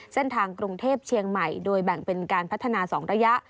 เส้นทางกรุงเทพเชียงใหม่โดยแบ่งเป็นการพัฒนา๒ระยะ